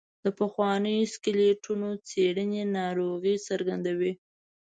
د پخوانیو سکلیټونو څېړنې ناروغۍ څرګندوي.